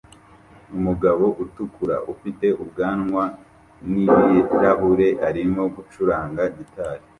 Umugabo utukura ufite ubwanwa n ibirahure arimo gucuranga gitari